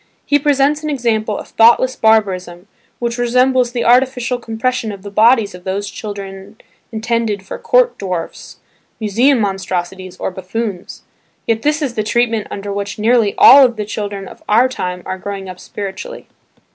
He presents an example of thoughtless barbarism, which resembles the artificial compression of the bodies of those children intended for "court dwarfs," museum monstrosities or buffoons. Yet this is the treatment under which nearly all the children of our time are growing up spiritually.